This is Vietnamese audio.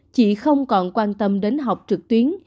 chị không còn quan tâm đến học trực tuyến